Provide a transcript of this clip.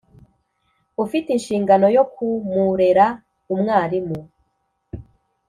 ufite inshingano yo kumurera, umwalimu,